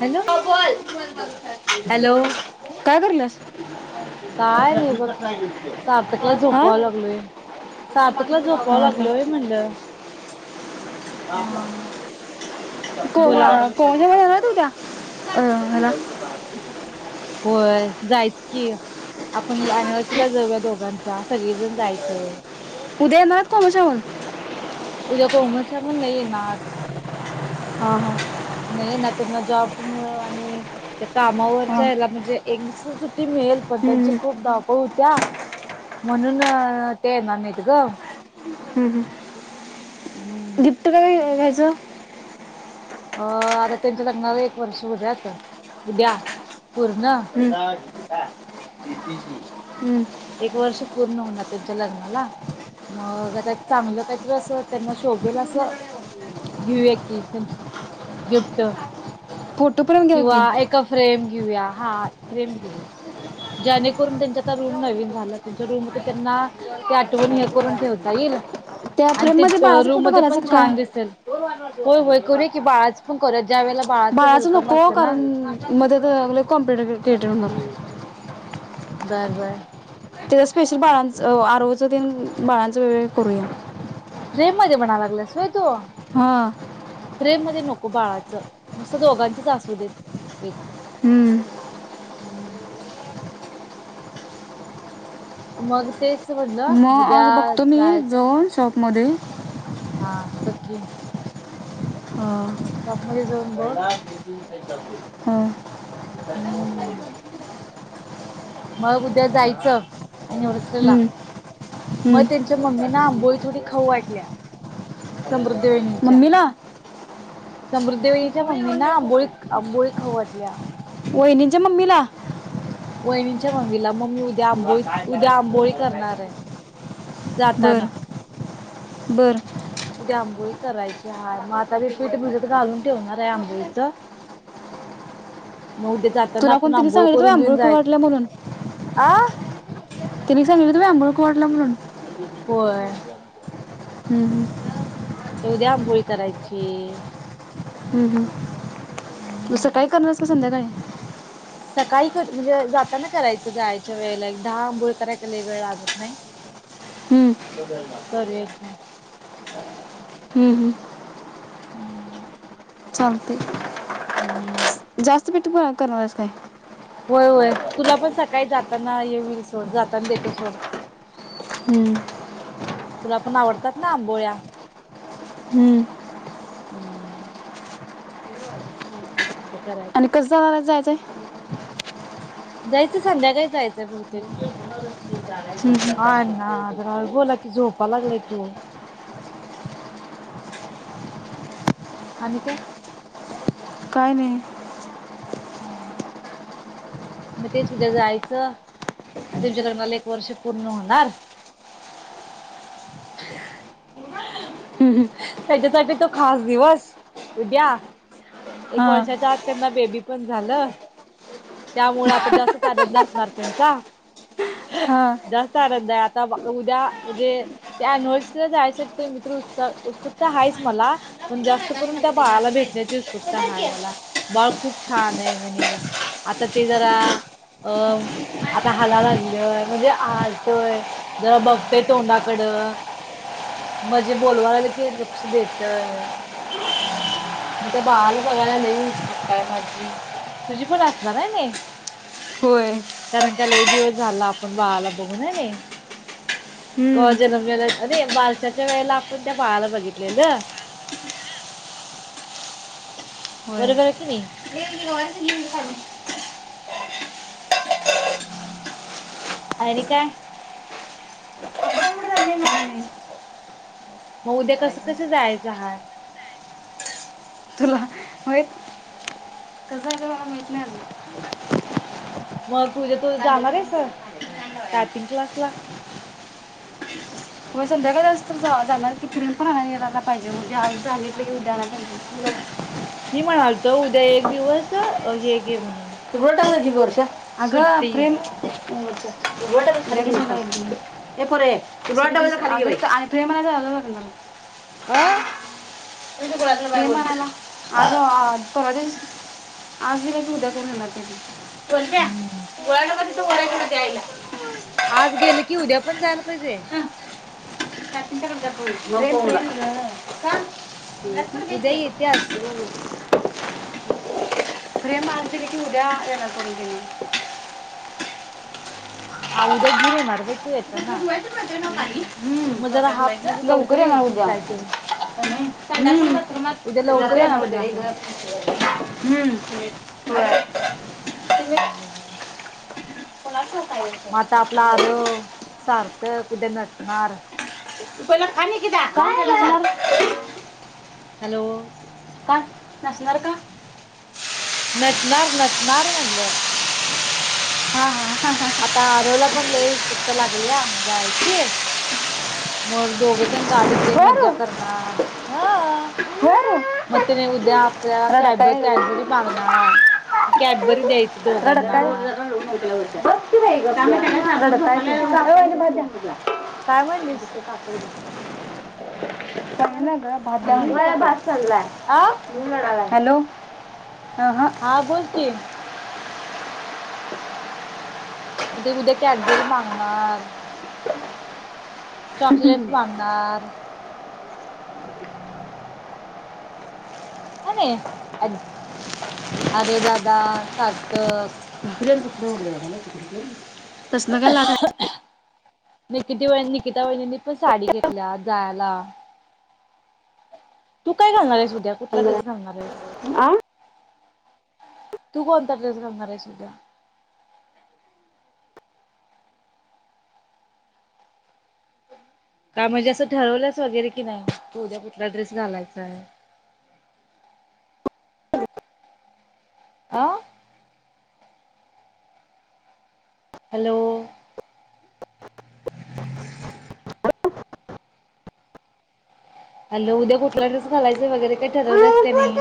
Hello hello काय करल्यास काय र बघ काकतन हा झोपाय लागलोय सात [inaudible] झोपाव हा हा लागलोय म्हणलं ह कोम बोला कोमशामध्ये येणार आहेत उद्या अ, ह्याला होय जायचं की. आपण अॅनिव्हर्सरीला जाऊया दोघां त्या सगळीजण जायचंय उद्या येणार आहेत कोमशावर उद्या कोमल संग नाही येनार. हंं - हं नाही ना त्यांना जॉब मुळं आणि त्या हा कामावरच्या याला म्हणजे एनं सज ती मळेल पण त्यांचे हम्म, खूप धावपळ हो त्या म्हणून अ ते मामीएत ग. हम्म हम्म हम्म गिफ्ट काय घ्यायचं? अं आता त्यांच्या लग्नाला एक वर्ष होत्यात उद्या. पूर्ण हम्म. हा बीपीची. हम्म. एक वर्ष पूर्ण होणार त्यांच्या लग्नाला मग आता चांगलं काहीतरी अस त्यांना शोभेल अस घेऊया की गिफ्ट. फोटो फ्रेम घ्या की किंवा एक फ्रेम घेऊया. हा फ्रेम केले ज्याणेकरून त्यांच्याता रूम नवीन झालं त्यांच्या रूम त्यांना ते आठवण हे करून ठेवता येईल. त्या आन फ्रेममध्ये तेद अ बाळाचा रूम फोटो मध्ये घालायचा पण का काय छान दिसेल. होय- होय करूया कि बाळाचं पण कोऱ्यात बाळाच नको कारण मध्ये कॉम्प्युटर [unintelligible] केट हो बर बर ते स्पेशल बाळांच आरो च तं बाळांचा वेळ करूया. फ्रेम मध्ये म्हणाला लागायस व्हय तु? हां फ्रेम मध्ये नको बाळाचं नुसं दोघांचंच असू देत एक हम्म हम्म मग तेच म म्हणलं आज उद्या बघतो मी जायचं जऊन शॉप मध्ये. ब की हं शॉप मध्ये जाऊन बघ हं हम मग उद्या जायचं? आणि वरचलेला मग हं. त्यांच्या मम्मीन ना बोई थोडी खाऊ वाटल्या, समृद्ध मम्मीला [unintelligible] समृद्धघ वहिणीच्या मम्मीना आंबोळी, आंबोळी खाऊ वाटल्या. वहिनीच्या मम्मीला? वहिणींच्या मम्मीला, मम्मी उद्या आंबोळी, उद्या आंबोळी करणार आहे. बर जाताना बर उद्या आंबोळी करायची हाय, मग आता मी पीठ भिजत घालून ठेवणार आहे आंबोळीच. मग उद्या जाताना तुला आपण कोणतरी आंबोळ सांगितलं तुम्ही करून आंबोळ घेऊन जायच वाटल्या म्हणून आ [inaudible] सग त आम [unintelligible] [unintelligible] होय हूं हूं त उद्या आंबोळी करायची. हूं हूं मग हम्म सकाळी करणार आहेस का संध्याकाळी काही कर म्हणजे जाताना करायचं जायाच्या वेळेला, एक दहा आंबोळ्या करायला काही लई वेळ लागत नाही, हं, करूया की. हं, हं. हूं. चालतंय. जास्त पिठ बघ. करणार आहेस काय? होय होय तुला पण सकाळी जाताना ये हुईल सोड जाताना देतो सोड. हूं. तुला पण आवडतात ना आंबोळ्या, हं. हम्. [inaudible] आणि कसं जाणारानं जायचंय? जायचं संध्याकाळी जायचंय बहुतेक हं, हं. हा ना बोला की झोपाय लागलाय की ओ आणि काय काय नाय [unintelligible] हा तेच उद्या जायचं, तुमच्या लग्नाला एक वर्ष पूर्ण होणार. [unintelligible] हं, हं. त्याच्यासाठी तो खास दिवस उद्या एक हां वर्षाच्या आत त्यांना बेबी पण झालं त्यामुळ आता जास्तचं आनंद असणार त्यांचा, हां जास्त आनंद हाय, आता उद्या म्हणजे त्या एनिवर्सरीला जायासाठी तर मी तर उत्स उत्सुकता हायच मला, पण जास्त करुन त्या बाळाला भेटण्याची उत्सुकता हाय मला, बाळ खूप छान ये म्हणे आता ते जरा अ आता दहाला हलागय वाजले लागलंय म्हणजे आलतो हलतोय, जरा बघते बघतोय तोंडाकड टोकाकडं म्हजे म्हणजे बोलवायला बोलवलं की लक्ष देतयं गावाला मग त्या बाळाला बघायला लई उत्सुकता हाय माझी, तुझी पण अस णार है ने होय कारण का लई दिवस झालं आपण बाळाला बघून है नय, हम्म कव्हा जनमलेलं नई बारशाच्या वेळेला आपण त्या बाळाला बघितलेलं होय बरोबर है की नइ? आणि काय मग उद्या कसं कसं जायचं हाय तुला होय कसं आहे का मला माहित नाही मग अजून. तुझ्या तू जाणार आहेस. मग टायपिंग क्लासला होय संध्याकाळी असत जा जाणार की, फिरून पणयला पाहिजे [unintelligible] उद्या आणा मी म्हणालतो उद्या एक दिवस हे घे म्हणून [unintelligible] [unintelligible] वर्षा अगं सुट्टी फ्रेम [unintelligible] ये पोरे [unintelligible] [unintelligible] आं [unintelligible] [unintelligible] म्हणाला आग आज परवाच्या दिवशी आज दिल की उद्या करून देणार त्यांनी कोणत्या गोळाला [unintelligible] द्यायला आज गेले की उद्या पण जायला पाहिजे. [unintelligible] [unintelligible] फ्रेम उद्या येत्यास आज दिली की उदया येणार करून शानी हा उद्या घेऊन येणार बाई तू येताना मग जरा हाफ म्हणजे लवकर येणार यायची उदया काय तू हूं उद्या लवकर येणार उदया काय तू मग हूं होय. [inaudible] कुणाच [unintelligible] थक उदया नसणार तू पहिला खा निकिता काय ये बाया हॅलो का नसणार का नटणार नटणार म्हणलं हा हा आता आरवला पण लय उत्सुकता लागलीया जायची मग दोघजण गाडीत लय मज्जा वरू करणार, ह वरू मग ते नी उद्या क रडत कॅब काय कॅबरी मागणार. कॅटबरी द्याची. रड काय. ती [unintelligible] काय म्हणलीस न म [unintelligible] काय ला? होय भात चाललाय आ हॅलो. हा बोलकी. आता उद्या कॅटबरी मागणार. चॉकलेटस लागणार. [unintelligible] दादा सार्थक [unintelligible] [unintelligible] निकिती वेनि निकिता वहिनींनी पण साडी घेतल्या जायला. तू काय घालणार आहेस? उद्या कुठला ड्रेस घालणार आहेस? आ तू कोणता ड्रेस घालणार आहेस उध्या का म्हणजे असं ठरवलंस वगैरे की नाही की उद्या कुठला ड्रेस घालायचा आहे. [unintelligible] हॅलो. हॅलो उद्या कुठला ड्रेस घालायच वगैरे काही ठरवलंस का नाही.